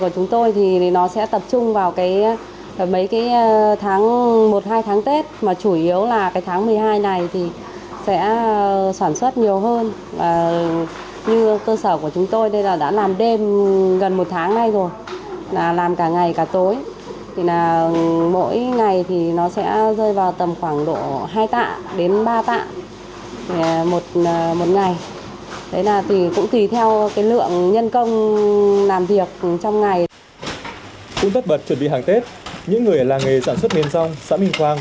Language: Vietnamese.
cũng tất bật chuẩn bị hàng tết những người ở làng nghề sản xuất miến rong xã minh khoang